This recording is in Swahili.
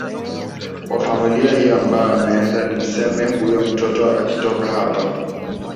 wa familia hiyo ambayo imeenda nisema huyo mtoto akitoka hapa